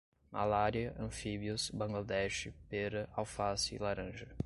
malária, anfíbios, Bangladesh, pera, alface, laranja